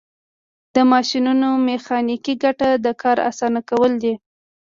د ماشینونو میخانیکي ګټه د کار اسانه کول دي.